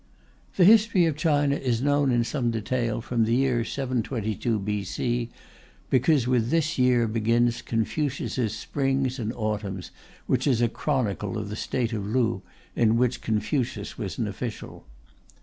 The history of China is known in some detail from the year 722 B.C., because with this year begins Confucius' Springs and Autumns, which is a chronicle of the State of Lu, in which Confucius was an official.